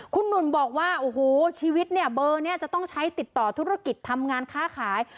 คุณหนุ่มบอกว่าโอ้โหชีวิตเนี่ยเบอร์นี้จะต้องใช้ติดต่อธุรกิจทำงานค้าขาย